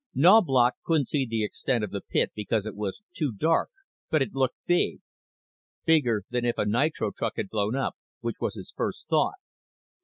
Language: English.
Knaubloch couldn't see the extent of the pit because it was too dark, but it looked big. Bigger than if a nitro truck had blown up, which was his first thought.